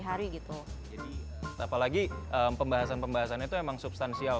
jadi apalagi pembahasan pembahasannya itu emang substansial